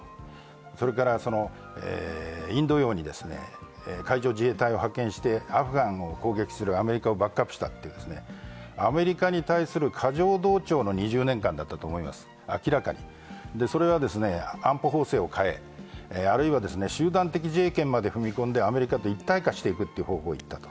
それからインド洋に海上自衛隊を派遣してアフガンを攻撃するアメリカをバックアップしたという、アメリカに対する過剰同調の２０年間だったと思います、明らかにそれが安保法制を変え、あるいは集団的自衛権まで踏み込んでアメリカと一体化していくという方向に行った。